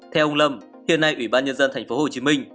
theo ông lâm hiện nay ủy ban nhân dân thành phố hồ chí minh